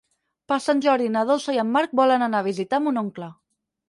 Per Sant Jordi na Dolça i en Marc volen anar a visitar mon oncle.